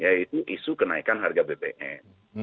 yaitu isu kenaikan harga bbm